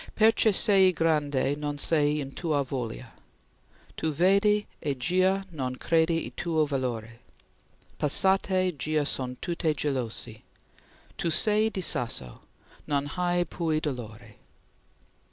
Perche sei grande nol sei in tua volia; Tu vedi e gia non credi il tuo valore; Passate gia son tutte gelosie; Tu sei di sasso; non hai piu dolore."